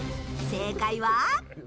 正解は。